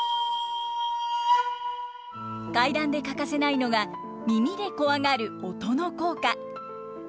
怪談で欠かせないのが耳でコワがる音の効果。